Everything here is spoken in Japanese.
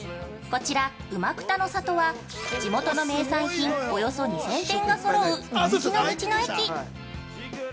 こちら「うまくたの里」は地元の名産品およそ２０００点が揃う人気の道の駅。